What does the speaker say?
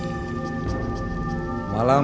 ini yg sukses pada down